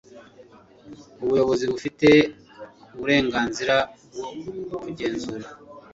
ubuyobozi bufite uburenganzira bwo kugenzura